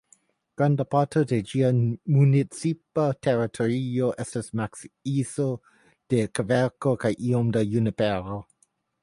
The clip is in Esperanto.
Granda parto de ĝia municipa teritorio estas makiso de kverko kaj iom da junipero.